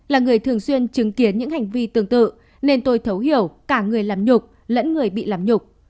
là người thường xuyên chứng kiến những hành vi tương tự nên tôi thấu hiểu cả người làm nhục lẫn người bị làm nhục